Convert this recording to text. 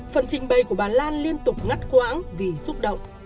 phần trình bày của bà lan liên tục ngắt quãng vì xúc động